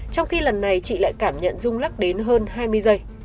trong khi lần này chị lại cảm nhận rung lắc đến hơn hai mươi giây